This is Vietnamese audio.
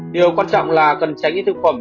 điều quan trọng là cần tránh những thực phẩm